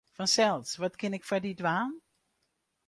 Fansels, wat kin ik foar dy dwaan?